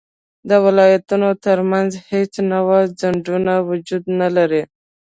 د ولایتونو تر منځ هیڅ نوعه خنډونه وجود نلري